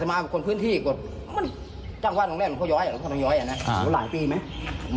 จ้างว่าโอ้งแรกมันเข้าย้อยอะละเข้าย้อยอะเนอะอ่าหลายปีไหม